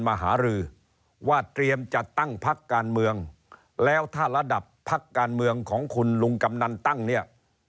หารือว่าเตรียมจะตั้งพักการเมืองแล้วถ้าระดับพักการเมืองของคุณลุงกำนันตั้งเนี่ย